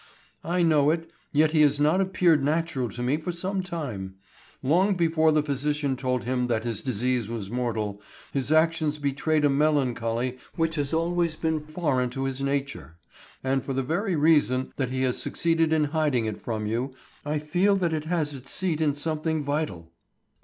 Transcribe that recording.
"I know it, yet he has not appeared natural to me for some time. Long before the physician told him that his disease was mortal, his actions betrayed a melancholy which has always been foreign to his nature, and for the very reason that he has succeeded in hiding it from you, I feel that it has its seat in something vital."